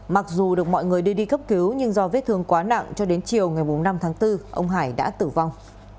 mặc dù được mọi người đưa đi cấp cứu nhưng do vết thương quá nặng cho đến chiều ngày năm tháng bốn ông hải đã tử vong